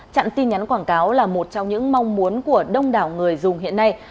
chặn tin nhắn quảng cáo là một trong những mong muốn của đông đảo người dùng hiện nay